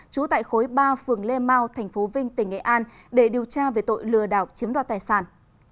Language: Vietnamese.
trú tại khối ba phường lê mau tp vinh tỉnh nghệ an để điều tra về tội lừa đảo chiếm đoạt tài sản